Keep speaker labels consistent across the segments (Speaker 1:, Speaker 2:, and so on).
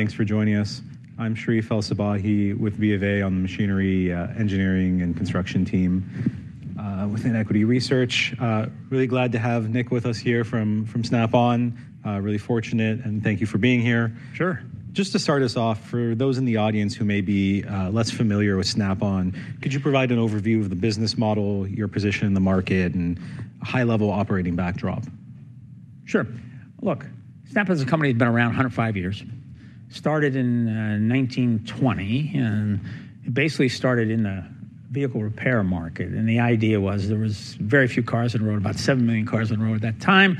Speaker 1: Thanks for joining us. I'm Sherif El-Sabbahy with BofA on the Machinery Engineering and Construction Team within Equity Research. Really glad to have Nick with us here from Snap-on. Really fortunate, and thank you for being here.
Speaker 2: Sure.
Speaker 1: Just to start us off, for those in the audience who may be less familiar with Snap-on, could you provide an overview of the business model, your position in the market, and a high-level operating backdrop?
Speaker 2: Sure. Look, Snap-on as a company has been around 105 years. Started in 1920, and it basically started in the vehicle repair market. The idea was there were very few cars on the road, about 7 million cars on the road at that time.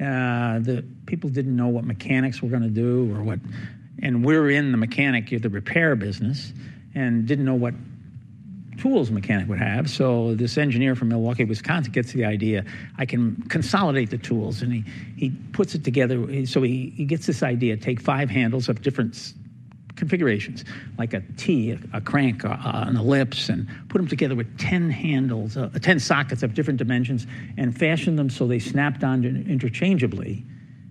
Speaker 2: The people did not know what mechanics were going to do or what—we are in the mechanic, the repair business—and did not know what tools a mechanic would have. This engineer from Milwaukee, Wisconsin, gets the idea, "I can consolidate the tools." He puts it together. He gets this idea: take five handles of different configurations, like a T, a crank, an ellipse, and put them together with 10 handles, 10 sockets of different dimensions, and fashion them so they snapped on interchangeably.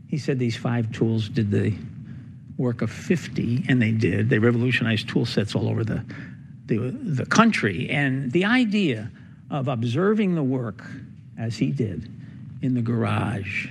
Speaker 2: He said these five tools did the work of 50, and they did. They revolutionized tool sets all over the country. The idea of observing the work, as he did, in the garage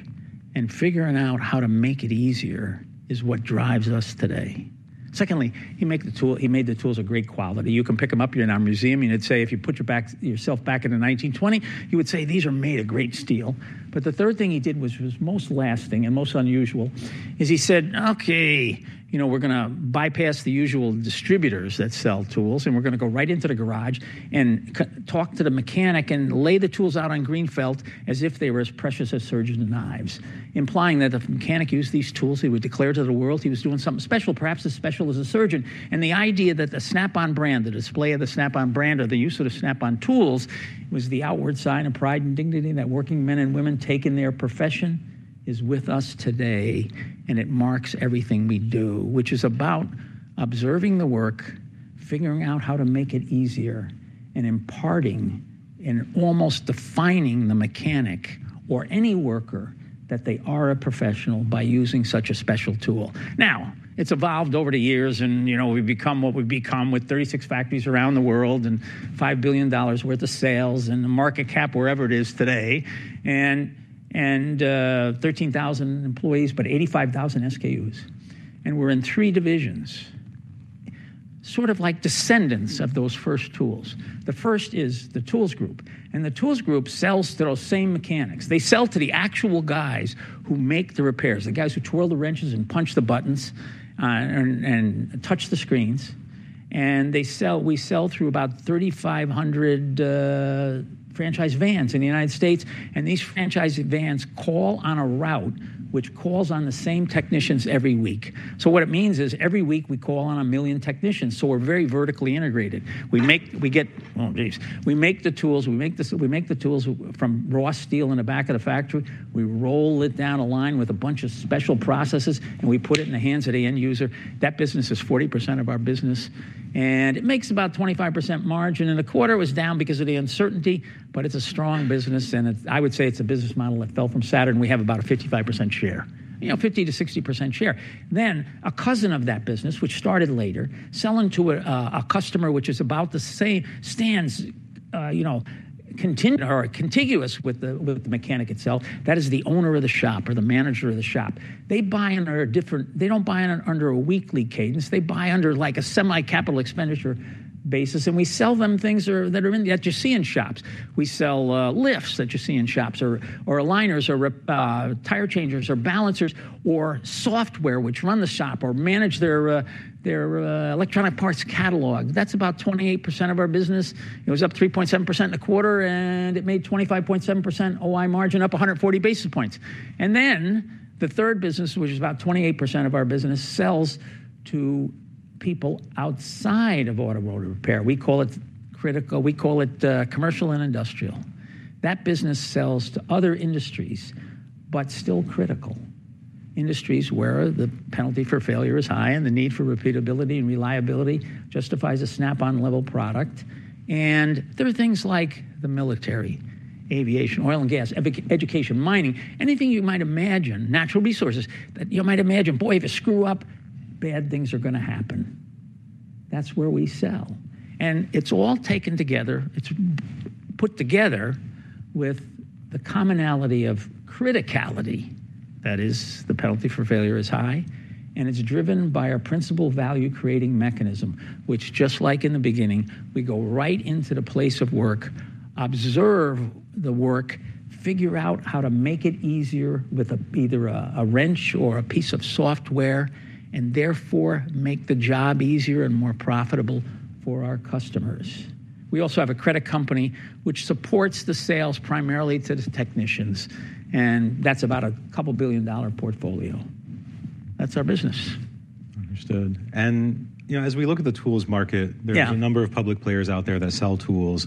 Speaker 2: and figuring out how to make it easier is what drives us today. Secondly, he made the tools of great quality. You can pick them up. You're in our museum. You'd say, if you put yourself back in 1920, you would say, "These are made of great steel." The third thing he did that was most lasting and most unusual is he said, "Okay, you know we're going to bypass the usual distributors that sell tools, and we're going to go right into the garage and talk to the mechanic and lay the tools out on green felt as if they were as precious as surgeon knives," implying that if a mechanic used these tools, he would declare to the world he was doing something special, perhaps as special as a surgeon. The idea that the Snap-on brand, the display of the Snap-on brand, or the use of the Snap-on tools was the outward sign of pride and dignity that working men and women take in their profession is with us today. It marks everything we do, which is about observing the work, figuring out how to make it easier, and imparting and almost defining the mechanic or any worker that they are a professional by using such a special tool. Now, it has evolved over the years, and we have become what we have become with 36 factories around the world and $5 billion worth of sales and a market cap, wherever it is today, and 13,000 employees, but 85,000 SKUs. We are in three divisions, sort of like descendants of those first tools. The first is the tools group. The tools group sells to those same mechanics. They sell to the actual guys who make the repairs, the guys who twirl the wrenches and punch the buttons and touch the screens. We sell through about 3,500 franchise vans in the United States. These franchise vans call on a route which calls on the same technicians every week. What it means is every week we call on a million technicians. We are very vertically integrated. We make—oh, jeez—we make the tools. We make the tools from raw steel in the back of the factory. We roll it down a line with a bunch of special processes, and we put it in the hands of the end user. That business is 40% of our business, and it makes about 25% margin. A quarter was down because of the uncertainty, but it is a strong business. I would say it's a business model that fell from Saturn. We have about a 55% share, 50%-60% share. A cousin of that business, which started later, selling to a customer which is about the same, stands continuous with the mechanic itself. That is the owner of the shop or the manager of the shop. They buy under a different—they do not buy under a weekly cadence. They buy under like a semi-capital expenditure basis. We sell them things that you see in shops. We sell lifts that you see in shops or aligners or tire changers or balancers or software which run the shop or manage their electronic parts catalog. That's about 28% of our business. It was up 3.7% in the quarter, and it made 25.7% OI margin, up 140 basis points. The third business, which is about 28% of our business, sells to people outside of automotive repair. We call it critical. We call it commercial and industrial. That business sells to other industries, but still critical industries where the penalty for failure is high and the need for repeatability and reliability justifies a Snap-on level product. There are things like the military, aviation, oil and gas, education, mining, anything you might imagine, natural resources that you might imagine, boy, if you screw up, bad things are going to happen. That's where we sell. It is all taken together. It is put together with the commonality of criticality, that is, the penalty for failure is high. It is driven by our principal value-creating mechanism, which, just like in the beginning, we go right into the place of work, observe the work, figure out how to make it easier with either a wrench or a piece of software, and therefore make the job easier and more profitable for our customers. We also have a credit company which supports the sales primarily to the technicians. That is about a couple billion dollar portfolio. That is our business.
Speaker 1: Understood. As we look at the tools market, there are a number of public players out there that sell tools.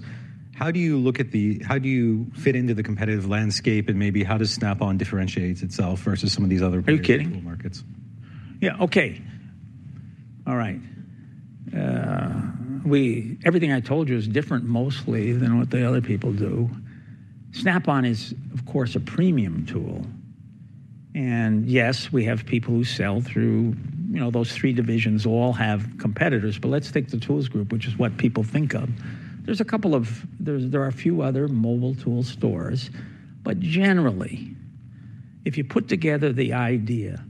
Speaker 1: How do you look at the—how do you fit into the competitive landscape? Maybe how does Snap-on differentiate itself versus some of these other particular markets?
Speaker 2: Are you kidding? Yeah. Okay. All right. Everything I told you is different mostly than what the other people do. Snap-on is, of course, a premium tool. Yes, we have people who sell through those three divisions all have competitors. Let's take the tools group, which is what people think of. There are a few other mobile tool stores. Generally, if you put together the idea of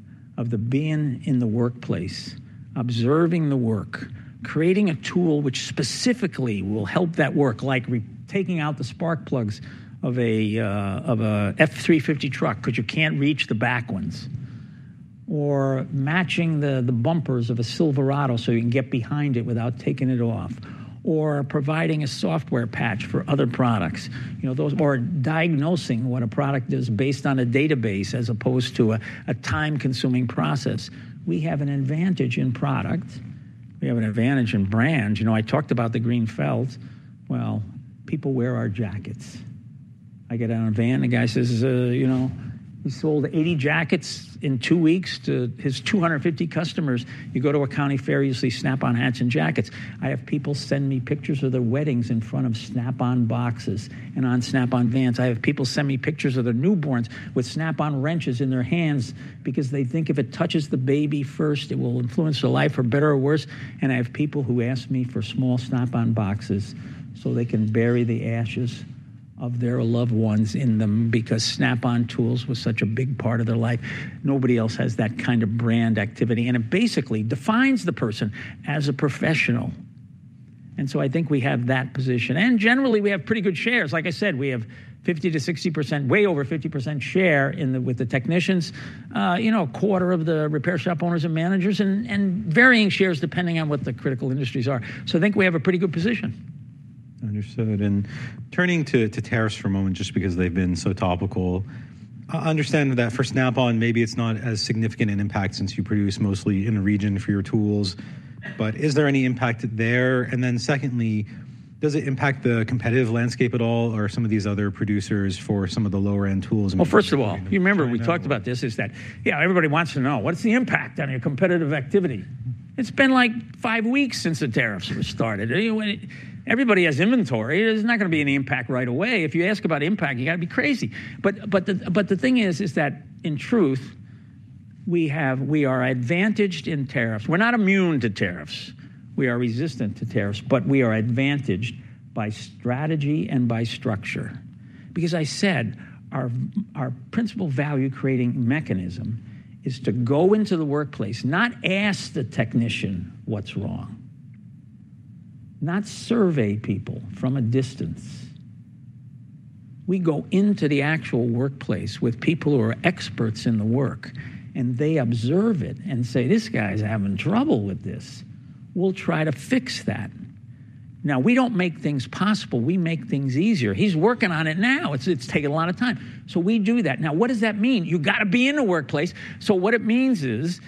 Speaker 2: being in the workplace, observing the work, creating a tool which specifically will help that work, like taking out the spark plugs of an F-350 truck because you can't reach the back ones, or matching the bumpers of a Silverado so you can get behind it without taking it off, or providing a software patch for other products, or diagnosing what a product is based on a database as opposed to a time-consuming process, we have an advantage in product. We have an advantage in brand. I talked about the green felt. People wear our jackets. I get out of a van, and the guy says, "He sold 80 jackets in two weeks to his 250 customers." You go to a county fair, you see Snap-on hats and jackets. I have people send me pictures of their weddings in front of Snap-on boxes and on Snap-on vans. I have people send me pictures of their newborns with Snap-on wrenches in their hands because they think if it touches the baby first, it will influence their life for better or worse. I have people who ask me for small Snap-on boxes so they can bury the ashes of their loved ones in them because Snap-on tools was such a big part of their life. Nobody else has that kind of brand activity. It basically defines the person as a professional. I think we have that position. Generally, we have pretty good shares. Like I said, we have 50%-60%, way over 50% share with the technicians, a quarter of the repair shop owners and managers, and varying shares depending on what the critical industries are. I think we have a pretty good position.
Speaker 1: Understood. Turning to tariffs for a moment, just because they've been so topical. I understand that for Snap-on, maybe it's not as significant an impact since you produce mostly in the region for your tools. Is there any impact there? Secondly, does it impact the competitive landscape at all or some of these other producers for some of the lower-end tools?
Speaker 2: First of all, you remember we talked about this is that, yeah, everybody wants to know, what's the impact on your competitive activity? It's been like five weeks since the tariffs were started. Everybody has inventory. There's not going to be an impact right away. If you ask about impact, you got to be crazy. The thing is that in truth, we are advantaged in tariffs. We're not immune to tariffs. We are resistant to tariffs, but we are advantaged by strategy and by structure. Because I said, our principal value-creating mechanism is to go into the workplace, not ask the technician what's wrong, not survey people from a distance. We go into the actual workplace with people who are experts in the work, and they observe it and say, "This guy's having trouble with this. We'll try to fix that." Now, we don't make things possible. We make things easier. He's working on it now. It's taking a lot of time. So we do that. Now, what does that mean? You got to be in the workplace. What it means is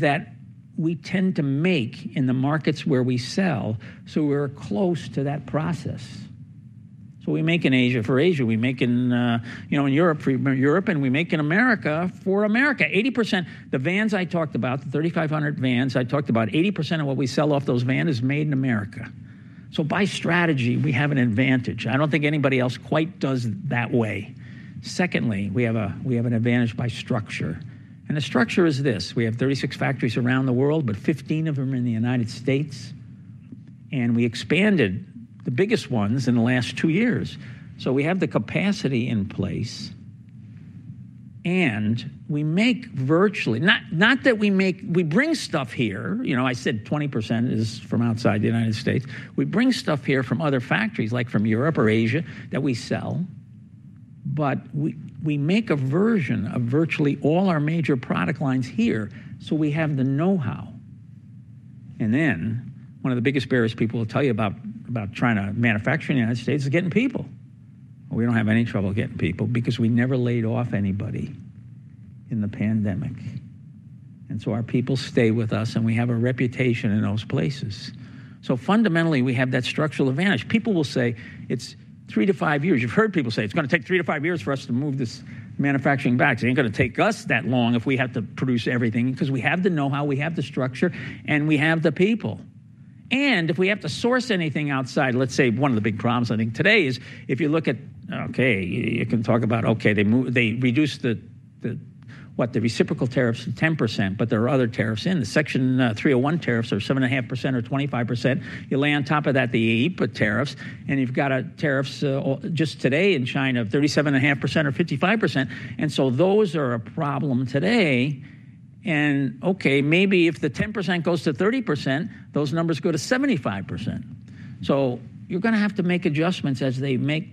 Speaker 2: that we tend to make in the markets where we sell so we're close to that process. We make in Asia for Asia. We make in Europe, and we make in America for America. 80% of the vans I talked about, the 3,500 vans I talked about, 80% of what we sell off those vans is made in America. By strategy, we have an advantage. I don't think anybody else quite does it that way. Secondly, we have an advantage by structure. The structure is this. We have 36 factories around the world, but 15 of them are in the United States. We expanded the biggest ones in the last two years. We have the capacity in place. We make virtually—not that we make—we bring stuff here. I said 20% is from outside the U.S. We bring stuff here from other factories, like from Europe or Asia, that we sell. We make a version of virtually all our major product lines here so we have the know-how. One of the biggest barriers people will tell you about trying to manufacture in the U.S. is getting people. We do not have any trouble getting people because we never laid off anybody in the pandemic. Our people stay with us, and we have a reputation in those places. Fundamentally, we have that structural advantage. People will say it is three to five years. You have heard people say it is going to take three to five years for us to move this manufacturing back. It ain't going to take us that long if we have to produce everything because we have the know-how, we have the structure, and we have the people. If we have to source anything outside, let's say one of the big problems I think today is if you look at—okay, you can talk about, okay, they reduced the reciprocal tariffs to 10%, but there are other tariffs in the Section 301 tariffs that are 7.5% or 25%. You lay on top of that the IPA tariffs, and you've got tariffs just today in China of 37.5% or 55%. Those are a problem today. Maybe if the 10% goes to 30%, those numbers go to 75%. You're going to have to make adjustments as they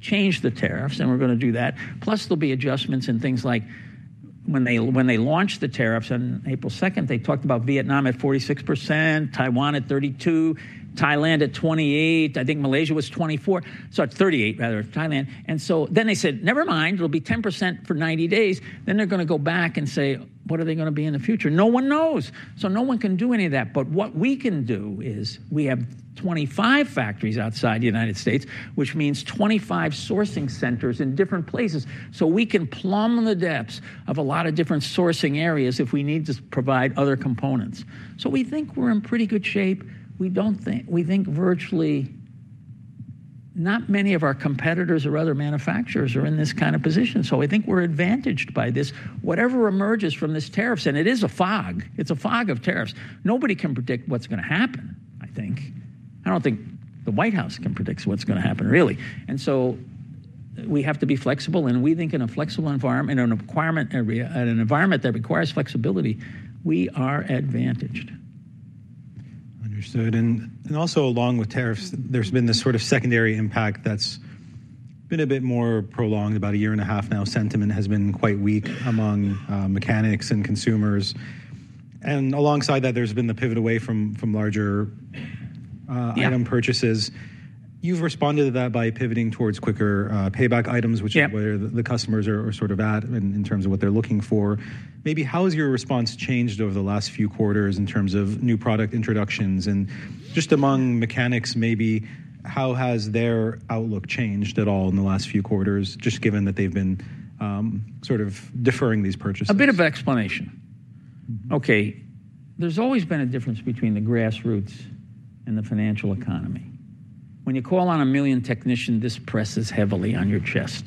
Speaker 2: change the tariffs, and we're going to do that. Plus, there'll be adjustments in things like when they launched the tariffs on April 2, they talked about Vietnam at 46%, Taiwan at 32%, Thailand at 28%. I think Malaysia was 24%. Sorry, 38%, rather, Thailand. They said, "Never mind. It'll be 10% for 90 days." They are going to go back and say, "What are they going to be in the future?" No one knows. No one can do any of that. What we can do is we have 25 factories outside the United States, which means 25 sourcing centers in different places. We can plumb the depths of a lot of different sourcing areas if we need to provide other components. We think we're in pretty good shape. We think virtually not many of our competitors or other manufacturers are in this kind of position. I think we're advantaged by this. Whatever emerges from these tariffs—and it is a fog. It's a fog of tariffs. Nobody can predict what's going to happen, I think. I don't think the White House can predict what's going to happen, really. We have to be flexible. We think in a flexible environment, in an environment that requires flexibility, we are advantaged.
Speaker 1: Understood. Also, along with tariffs, there's been this sort of secondary impact that's been a bit more prolonged, about a year and a half now. Sentiment has been quite weak among mechanics and consumers. Alongside that, there's been the pivot away from larger item purchases. You've responded to that by pivoting towards quicker payback items, which is where the customers are sort of at in terms of what they're looking for. Maybe how has your response changed over the last few quarters in terms of new product introductions? Just among mechanics, maybe how has their outlook changed at all in the last few quarters, just given that they've been sort of deferring these purchases?
Speaker 2: A bit of an explanation. Okay. There has always been a difference between the grassroots and the financial economy. When you call on a million technicians, this presses heavily on your chest.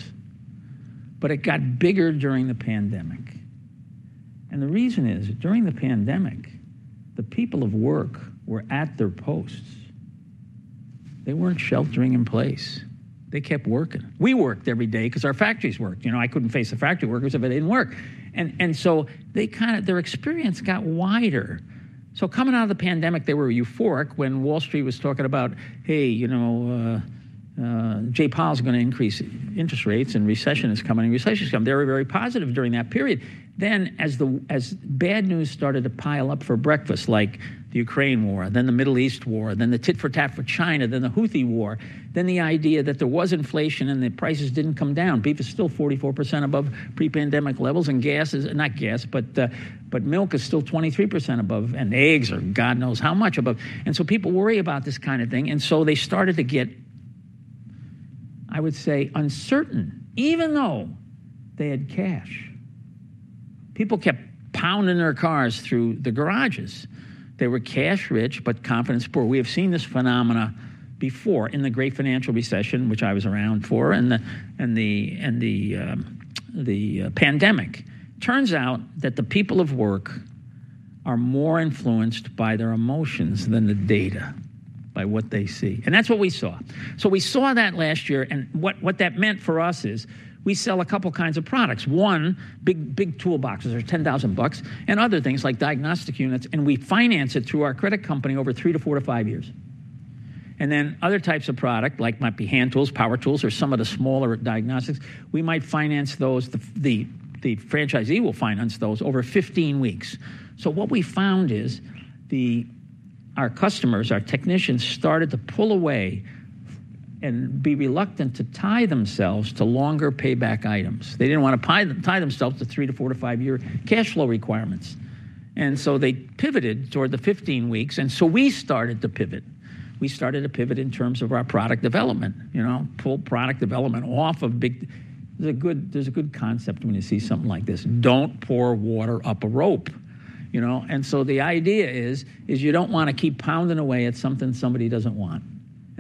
Speaker 2: It got bigger during the pandemic. The reason is during the pandemic, the people of work were at their posts. They were not sheltering in place. They kept working. We worked every day because our factories worked. I could not face the factory workers if I did not work. Their experience got wider. Coming out of the pandemic, they were euphoric when Wall Street was talking about, "Hey, Jay Powell's going to increase interest rates and recession is coming, and recession is coming." They were very positive during that period. As bad news started to pile up for breakfast, like the Ukraine war, then the Middle East war, then the tit for tat for China, then the Houthi war, then the idea that there was inflation and the prices did not come down. Beef is still 44% above pre-pandemic levels, and gas is not gas, but milk is still 23% above, and eggs are God knows how much above. People worry about this kind of thing. They started to get, I would say, uncertain, even though they had cash. People kept pounding their cars through the garages. They were cash rich, but confidence poor. We have seen this phenomena before in the great financial recession, which I was around for, and the pandemic. It turns out that the people of work are more influenced by their emotions than the data, by what they see. That is what we saw. We saw that last year. What that meant for us is we sell a couple of kinds of products. One, big toolboxes are $10,000, and other things like diagnostic units. We finance it through our credit company over three to four to five years. Other types of product, like might be hand tools, power tools, or some of the smaller diagnostics, we might finance those. The franchisee will finance those over 15 weeks. What we found is our customers, our technicians, started to pull away and be reluctant to tie themselves to longer payback items. They did not want to tie themselves to three to four to five-year cash flow requirements. They pivoted toward the 15 weeks. We started to pivot. We started to pivot in terms of our product development, pull product development off of big—there's a good concept when you see something like this. Do not pour water up a rope. The idea is you do not want to keep pounding away at something somebody does not want.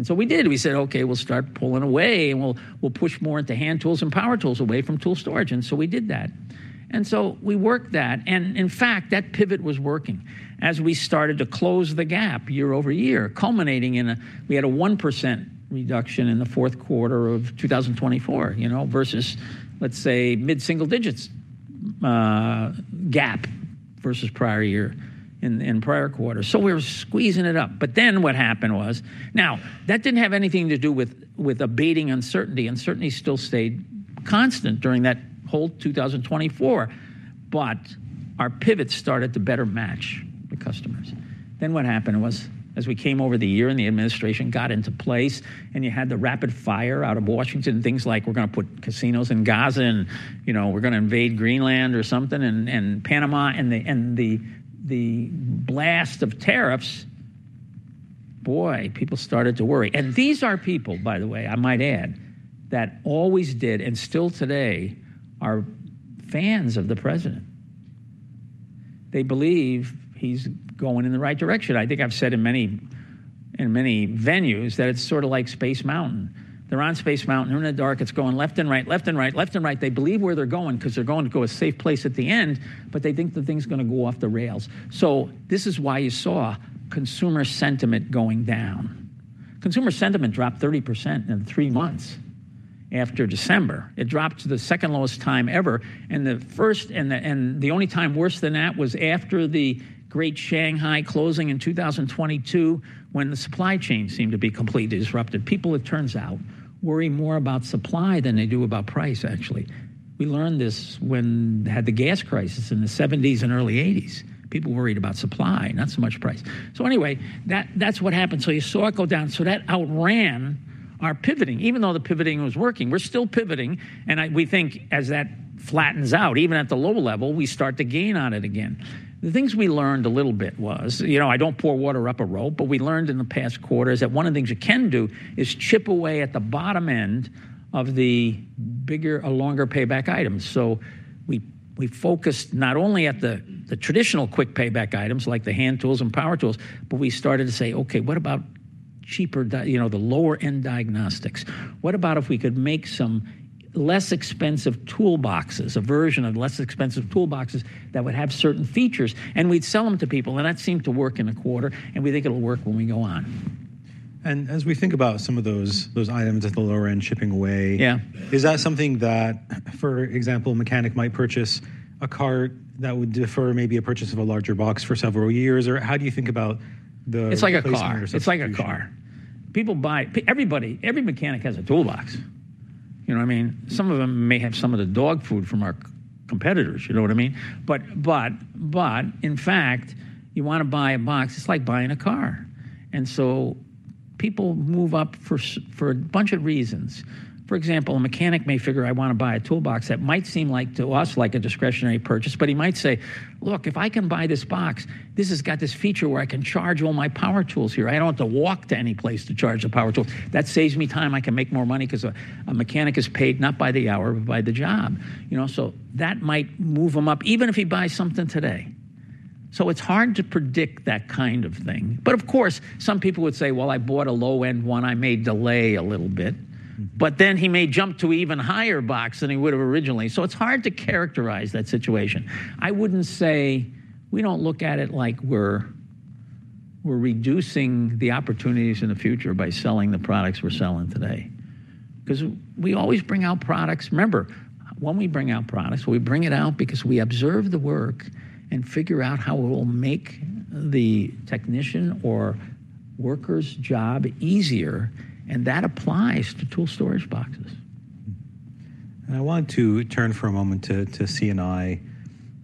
Speaker 2: We did. We said, "Okay, we will start pulling away, and we will push more into hand tools and power tools away from tool storage." We did that. We worked that. In fact, that pivot was working as we started to close the gap year over year, culminating in a—we had a 1% reduction in the fourth quarter of 2024 versus, let's say, mid-single digits gap versus prior year and prior quarter. We were squeezing it up. What happened was—now, that did not have anything to do with abating uncertainty. Uncertainty still stayed constant during that whole 2024. Our pivot started to better match the customers. What happened was, as we came over the year and the administration got into place, and you had the rapid fire out of Washington, things like, "We're going to put casinos in Gaza, and we're going to invade Greenland or something," and Panama and the blast of tariffs, boy, people started to worry. These are people, by the way, I might add, that always did and still today are fans of the president. They believe he's going in the right direction. I think I've said in many venues that it's sort of like Space Mountain. They're on Space Mountain. They're in the dark. It's going left and right, left and right, left and right. They believe where they're going because they're going to go a safe place at the end, but they think the thing's going to go off the rails. This is why you saw consumer sentiment going down. Consumer sentiment dropped 30% in three months after December. It dropped to the second lowest time ever. The only time worse than that was after the great Shanghai closing in 2022 when the supply chain seemed to be completely disrupted. People, it turns out, worry more about supply than they do about price, actually. We learned this when we had the gas crisis in the 1970s and early 1980s. People worried about supply, not so much price. That's what happened. You saw it go down. That outran our pivoting. Even though the pivoting was working, we're still pivoting. We think as that flattens out, even at the low level, we start to gain on it again. The things we learned a little bit was I do not pour water up a rope, but we learned in the past quarters that one of the things you can do is chip away at the bottom end of the bigger, longer payback items. We focused not only at the traditional quick payback items like the hand tools and power tools, but we started to say, "Okay, what about cheaper, the lower-end diagnostics? What about if we could make some less expensive toolboxes, a version of less expensive toolboxes that would have certain features?" We would sell them to people, and that seemed to work in a quarter. We think it will work when we go on.
Speaker 1: As we think about some of those items at the lower end chipping away, is that something that, for example, a mechanic might purchase a cart that would defer maybe a purchase of a larger box for several years? Or how do you think about the customer?
Speaker 2: It's like a car. People buy—everybody, every mechanic has a toolbox. You know what I mean? Some of them may have some of the dog food from our competitors, you know what I mean? In fact, you want to buy a box, it's like buying a car. People move up for a bunch of reasons. For example, a mechanic may figure, "I want to buy a toolbox that might seem to us like a discretionary purchase," but he might say, "Look, if I can buy this box, this has got this feature where I can charge all my power tools here. I don't have to walk to any place to charge the power tools. That saves me time. I can make more money because a mechanic is paid not by the hour, but by the job. That might move him up, even if he buys something today. It is hard to predict that kind of thing. Of course, some people would say, "I bought a low-end one. I may delay a little bit." He may jump to an even higher box than he would have originally. It is hard to characterize that situation. I would not say we do not look at it like we are reducing the opportunities in the future by selling the products we are selling today. We always bring out products. Remember, when we bring out products, we bring it out because we observe the work and figure out how it will make the technician or worker's job easier. That applies to tool storage boxes.
Speaker 1: I want to turn for a moment to CNI.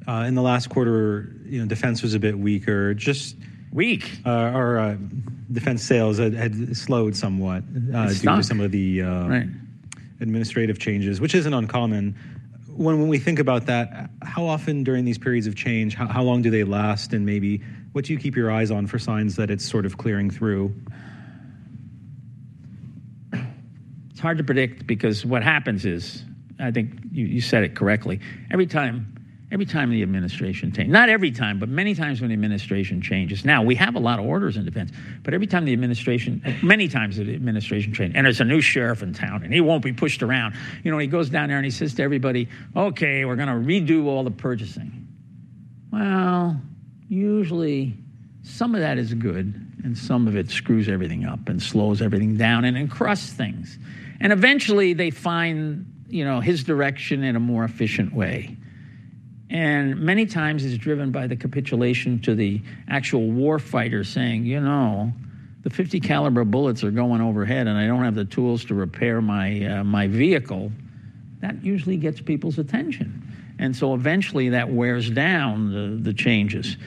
Speaker 1: In the last quarter, defense was a bit weaker. Just.
Speaker 2: Weak.
Speaker 1: Defense sales had slowed somewhat due to some of the administrative changes, which is not uncommon. When we think about that, how often during these periods of change, how long do they last? What do you keep your eyes on for signs that it is sort of clearing through?
Speaker 2: It's hard to predict because what happens is, I think you said it correctly, every time the administration changes—not every time, but many times when the administration changes. Now, we have a lot of orders in defense. Every time the administration—many times the administration changes, and there's a new sheriff in town, and he won't be pushed around. He goes down there and he says to everybody, "Okay, we're going to redo all the purchasing." Usually some of that is good, and some of it screws everything up and slows everything down and encrusts things. Eventually they find his direction in a more efficient way. Many times it's driven by the capitulation to the actual war fighter saying, "You know, the .50 caliber bullets are going overhead, and I don't have the tools to repair my vehicle." That usually gets people's attention. Eventually that wears down the changes.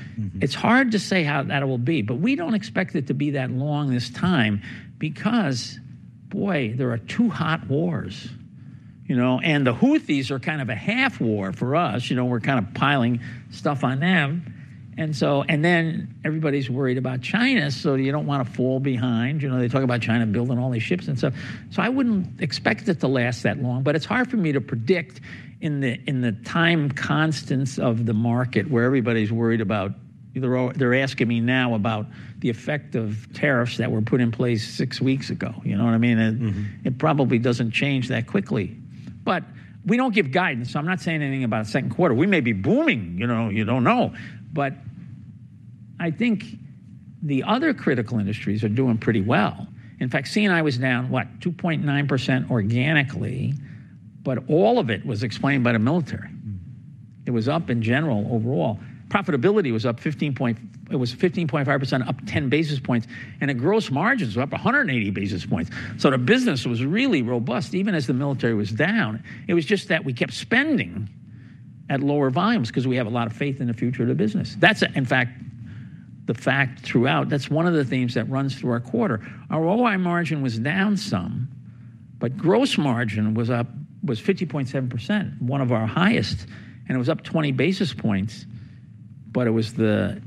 Speaker 2: It's hard to say how that will be, but we don't expect it to be that long this time because, boy, there are two hot wars. The Houthis are kind of a half war for us. We're kind of piling stuff on them. Everybody's worried about China, so you don't want to fall behind. They talk about China building all these ships and stuff. I wouldn't expect it to last that long. It's hard for me to predict in the time constants of the market where everybody's worried about—they're asking me now about the effect of tariffs that were put in place six weeks ago. You know what I mean? It probably doesn't change that quickly. We don't give guidance. I'm not saying anything about the second quarter. We may be booming. You don't know. I think the other critical industries are doing pretty well. In fact, CNI was down, what, 2.9% organically, but all of it was explained by the military. It was up in general overall. Profitability was up 15.5%, up 10 basis points, and the gross margins were up 180 basis points. The business was really robust, even as the military was down. It was just that we kept spending at lower volumes because we have a lot of faith in the future of the business. That is, in fact, the fact throughout. That is one of the themes that runs through our quarter. Our OI margin was down some, but gross margin was up 50.7%, one of our highest. It was up 20 basis points, but it was the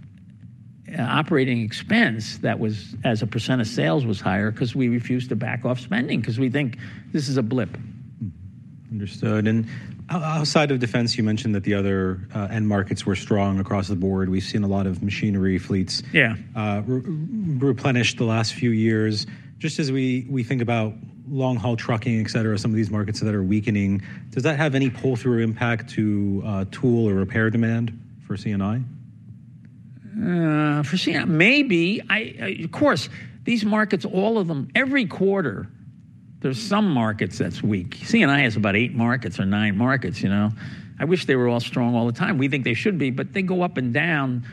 Speaker 2: operating expense that was as a percent of sales was higher because we refused to back off spending because we think this is a blip.
Speaker 1: Understood. Outside of defense, you mentioned that the other end markets were strong across the board. We've seen a lot of machinery fleets replenished the last few years. Just as we think about long-haul trucking, etc., some of these markets that are weakening, does that have any pull-through impact to tool or repair demand for CNI?
Speaker 2: For CNI, maybe. Of course, these markets, all of them, every quarter, there's some markets that's weak. CNI has about eight markets or nine markets. I wish they were all strong all the time. We think they should be, but they go up and down.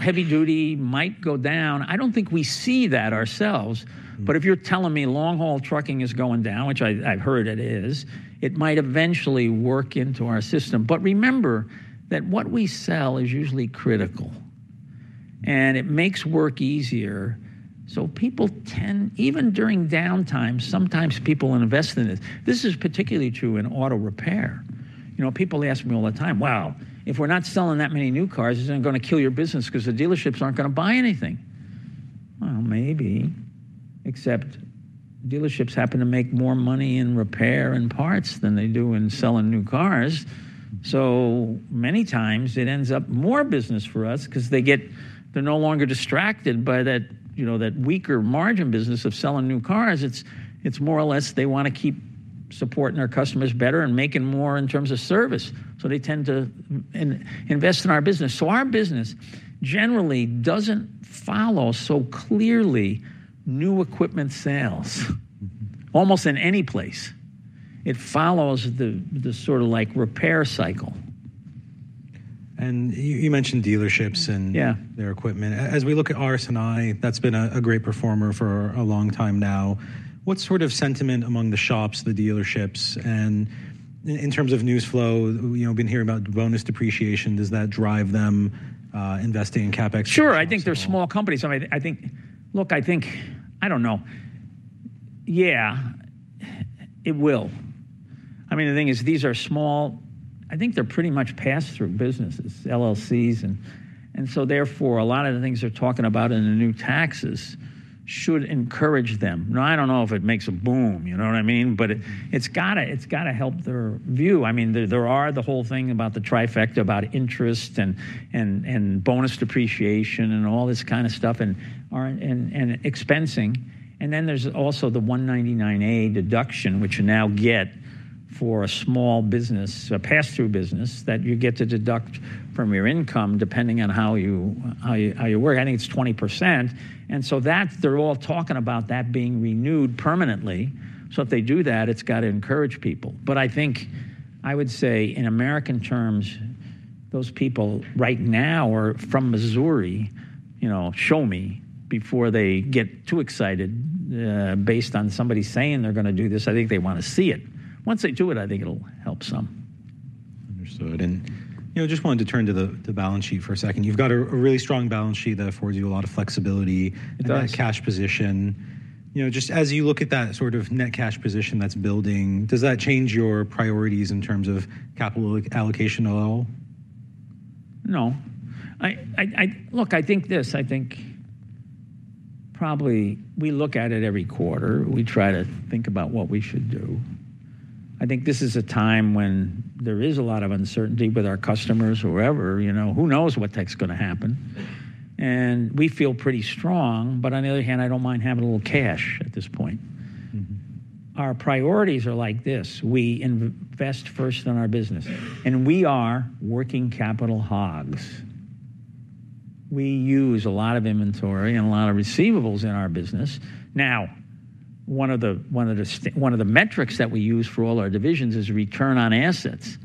Speaker 2: Heavy duty might go down. I don't think we see that ourselves. If you're telling me long-haul trucking is going down, which I've heard it is, it might eventually work into our system. Remember that what we sell is usually critical, and it makes work easier. People tend, even during downtime, sometimes people invest in it. This is particularly true in auto repair. People ask me all the time, "If we're not selling that many new cars, isn't it going to kill your business because the dealerships aren't going to buy anything?" Maybe, except dealerships happen to make more money in repair and parts than they do in selling new cars. Many times it ends up more business for us because they're no longer distracted by that weaker margin business of selling new cars. It's more or less they want to keep supporting their customers better and making more in terms of service. They tend to invest in our business. Our business generally doesn't follow so clearly new equipment sales almost in any place. It follows the sort of like repair cycle.
Speaker 1: You mentioned dealerships and their equipment. As we look at RS&I, that's been a great performer for a long time now. What sort of sentiment among the shops, the dealerships? In terms of news flow, we've been hearing about bonus depreciation. Does that drive them investing in CapEx?
Speaker 2: Sure. I think they're small companies. I mean, I think, look, I think, I don't know. Yeah, it will. I mean, the thing is these are small, I think they're pretty much pass-through businesses, LLCs. Therefore, a lot of the things they're talking about in the new taxes should encourage them. Now, I don't know if it makes a boom, you know what I mean? It has got to help their view. I mean, there is the whole thing about the trifecta about interest and bonus depreciation and all this kind of stuff and expensing. There is also the 199A deduction, which you now get for a small business, a pass-through business that you get to deduct from your income depending on how you work. I think it's 20%. They are all talking about that being renewed permanently. If they do that, it's got to encourage people. I think, I would say in American terms, those people right now are from Missouri, show me before they get too excited based on somebody saying they're going to do this. I think they want to see it. Once they do it, I think it'll help some.
Speaker 1: Understood. I just wanted to turn to the balance sheet for a second. You've got a really strong balance sheet that affords you a lot of flexibility, a net cash position. Just as you look at that sort of net cash position that's building, does that change your priorities in terms of capital allocation at all?
Speaker 2: No. Look, I think this. I think probably we look at it every quarter. We try to think about what we should do. I think this is a time when there is a lot of uncertainty with our customers or wherever. Who knows what's going to happen? We feel pretty strong. On the other hand, I don't mind having a little cash at this point. Our priorities are like this. We invest first in our business, and we are working capital hogs. We use a lot of inventory and a lot of receivables in our business. Now, one of the metrics that we use for all our divisions is return on assets.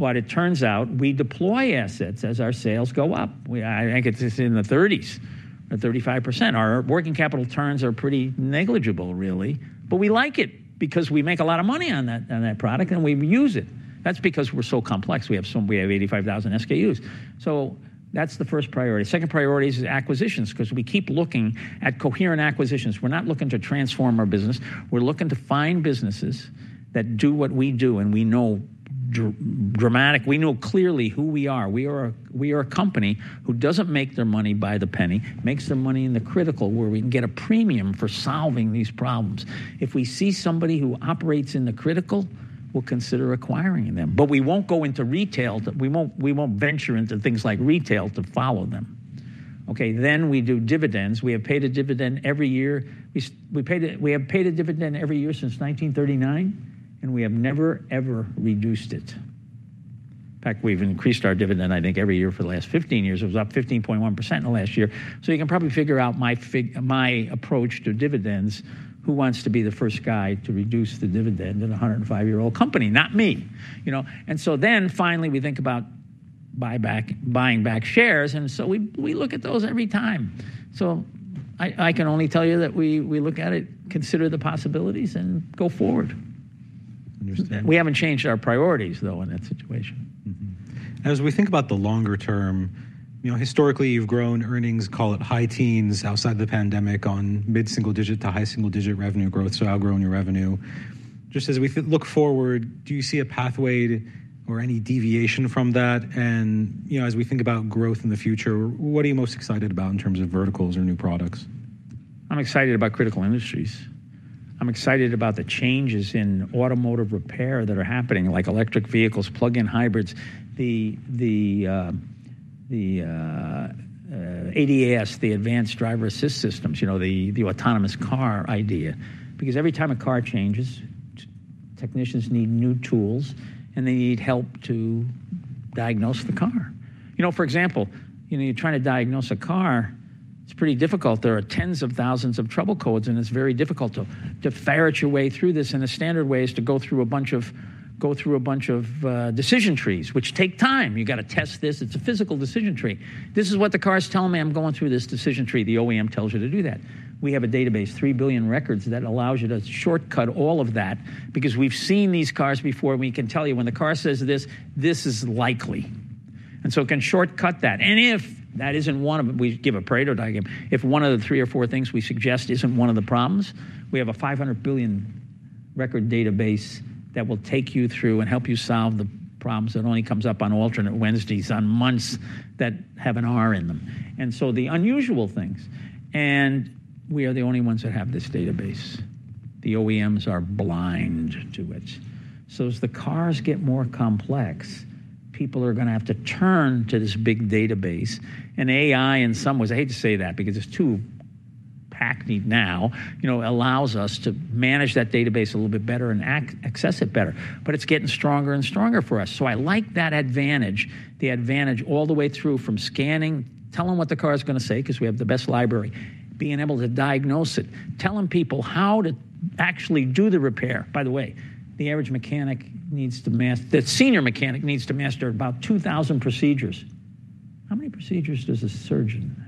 Speaker 2: It turns out we deploy assets as our sales go up. I think it's in the 30s, 35%. Our working capital turns are pretty negligible, really. We like it because we make a lot of money on that product, and we use it. That's because we're so complex. We have 85,000 SKUs. So that's the first priority. Second priority is acquisitions because we keep looking at coherent acquisitions. We're not looking to transform our business. We're looking to find businesses that do what we do. And we know dramatically, we know clearly who we are. We are a company who doesn't make their money by the penny, makes their money in the critical where we can get a premium for solving these problems. If we see somebody who operates in the critical, we'll consider acquiring them. We won't go into retail. We won't venture into things like retail to follow them. Okay. Then we do dividends. We have paid a dividend every year. We have paid a dividend every year since 1939, and we have never, ever reduced it. In fact, we've increased our dividend, I think, every year for the last 15 years. It was up 15.1% in the last year. You can probably figure out my approach to dividends. Who wants to be the first guy to reduce the dividend in a 105-year-old company? Not me. Finally, we think about buying back shares. We look at those every time. I can only tell you that we look at it, consider the possibilities, and go forward. We haven't changed our priorities, though, in that situation.
Speaker 1: As we think about the longer term, historically you've grown earnings, call it high teens outside the pandemic, on mid-single digit to high single digit revenue growth. How you've grown your revenue. Just as we look forward, do you see a pathway or any deviation from that? As we think about growth in the future, what are you most excited about in terms of verticals or new products?
Speaker 2: I'm excited about critical industries. I'm excited about the changes in automotive repair that are happening, like electric vehicles, plug-in hybrids, the ADAS, the advanced driver assist systems, the autonomous car idea. Every time a car changes, technicians need new tools, and they need help to diagnose the car. For example, you're trying to diagnose a car. It's pretty difficult. There are tens of thousands of trouble codes, and it's very difficult to ferret your way through this. The standard way is to go through a bunch of decision trees, which take time. You got to test this. It's a physical decision tree. This is what the cars tell me. I'm going through this decision tree. The OEM tells you to do that. We have a database, 3 billion records, that allows you to shortcut all of that because we've seen these cars before. We can tell you when the car says this, this is likely. It can shortcut that. If that is not one of them, we give a parade or diagram. If one of the three or four things we suggest is not one of the problems, we have a 500 billion record database that will take you through and help you solve the problems that only come up on alternate Wednesdays, on months that have an R in them. The unusual things. We are the only ones that have this database. The OEMs are blind to it. As the cars get more complex, people are going to have to turn to this big database. AI in some ways, I hate to say that because it is too packed in] now, allows us to manage that database a little bit better and access it better. It is getting stronger and stronger for us. I like that advantage, the advantage all the way through from scanning, telling what the car is going to say because we have the best library, being able to diagnose it, telling people how to actually do the repair. By the way, the average mechanic needs to master, the senior mechanic needs to master about 2,000 procedures. How many procedures does a surgeon have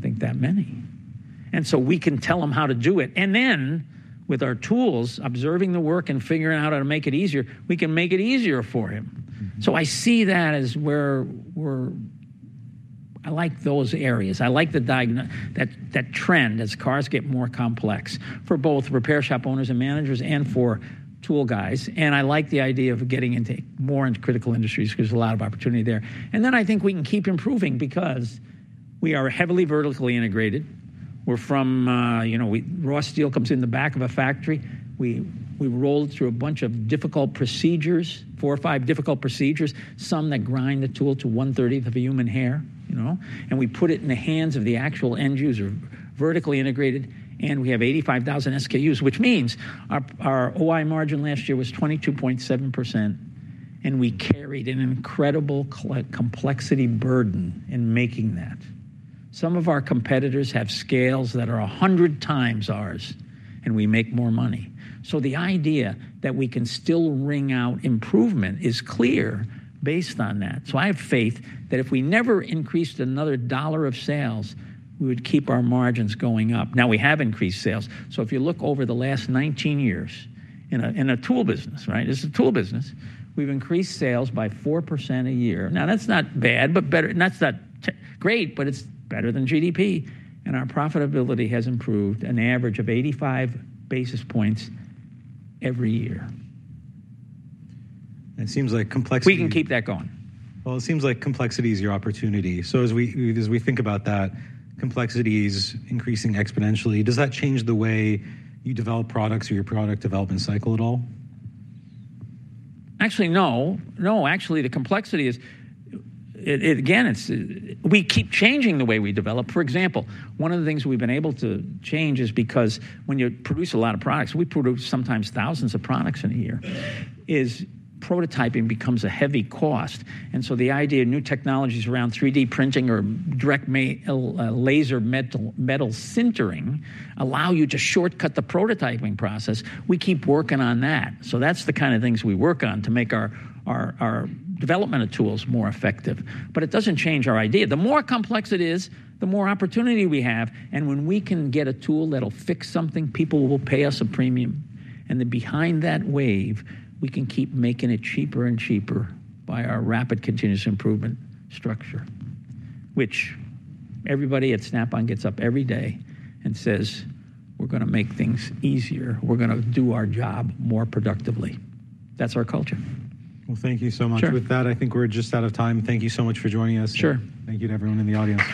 Speaker 2: to master, by the way? I do not think that many. We can tell them how to do it. With our tools, observing the work and figuring out how to make it easier, we can make it easier for him. I see that as where we are. I like those areas. I like the trend as cars get more complex for both repair shop owners and managers and for tool guys. I like the idea of getting more into critical industries because there is a lot of opportunity there. I think we can keep improving because we are heavily vertically integrated. Raw steel comes in the back of a factory. We roll through a bunch of difficult procedures, four or five difficult procedures, some that grind the tool to 1/30th of a human hair. We put it in the hands of the actual end user, vertically integrated, and we have 85,000 SKUs, which means our OI margin last year was 22.7%. We carried an incredible complexity burden in making that. Some of our competitors have scales that are 100 times ours, and we make more money. The idea that we can still ring out improvement is clear based on that. I have faith that if we never increased another dollar of sales, we would keep our margins going up. Now we have increased sales. If you look over the last 19 years in a tool business, right? This is a tool business. We've increased sales by 4% a year. That's not bad, but that's not great, but it's better than GDP. Our profitability has improved an average of 85 basis points every year.
Speaker 1: It seems like complexity.
Speaker 2: We can keep that going.
Speaker 1: It seems like complexity is your opportunity. So as we think about that, complexity is increasing exponentially. Does that change the way you develop products or your product development cycle at all?
Speaker 2: Actually, no. No, actually the complexity is, again, we keep changing the way we develop. For example, one of the things we've been able to change is because when you produce a lot of products, we produce sometimes thousands of products in a year, prototyping becomes a heavy cost. The idea of new technologies around 3D printing or direct laser metal sintering allow you to shortcut the prototyping process. We keep working on that. That's the kind of things we work on to make our development of tools more effective. It doesn't change our idea. The more complex it is, the more opportunity we have. When we can get a tool that'll fix something, people will pay us a premium. Behind that wave, we can keep making it cheaper and cheaper by our rapid continuous improvement structure, which everybody at Snap-on gets up every day and says, "We're going to make things easier. We're going to do our job more productively." That's our culture.
Speaker 1: Thank you so much for that. I think we're just out of time. Thank you so much for joining us.
Speaker 2: Sure.
Speaker 1: Thank you to everyone in the audience.